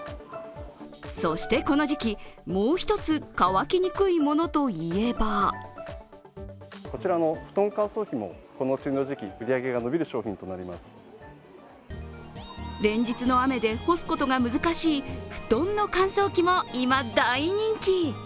そしてこの時期、もう一つ乾きにくいものといえば連日の雨で干すことが難しい布団の乾燥機も今、大人気。